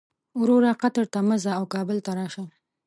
وروره قطر ته مه ځه او کابل ته راشه.